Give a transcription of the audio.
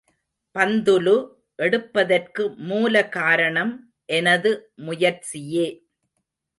பந்துலு எடுப்பதற்கு மூல காரணம் எனது முயற்சியே.